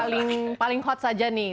dari yang paling hot saja nih